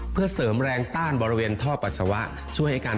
เพื่อเสริมแรงต้านบริเวณท่อปัสสาวะ